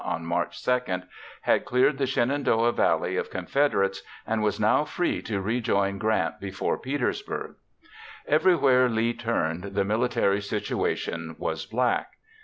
on March 2, had cleared the Shenandoah Valley of Confederates and was now free to rejoin Grant before Petersburg. Everywhere Lee turned, the military situation was black.